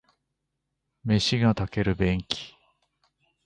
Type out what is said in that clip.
飯が炊ける便器